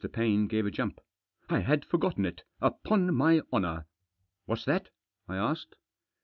Paine gave a jump. " I had forgotten it !— upon my honour !" "What's that?" I asked.